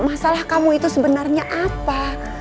masalah kamu itu sebenarnya apa